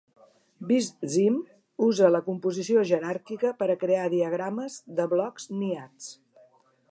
VisSim usa la composició jeràrquica per a crear diagrames de blocs niats.